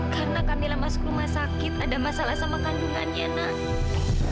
karena kamila masuk rumah sakit ada masalah sama kandungannya nak